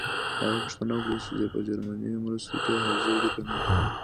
هغه پوښتنه وکړه چې جرمني مرستې ته حاضر دی کنه.